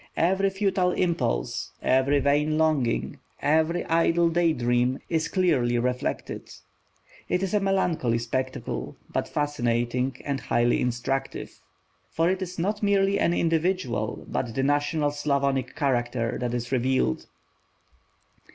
Every futile impulse, every vain longing, every idle day dream, is clearly reflected. It is a melancholy spectacle, but fascinating and highly instructive. For it is not merely an individual, but the national Slavonic character that is revealed.